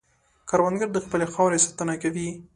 کروندګر د خپلې خاورې ساتنه کوي